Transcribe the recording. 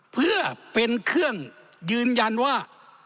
เพื่อเป็นเครื่องยืนยันว่า